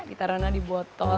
ditaruh di botol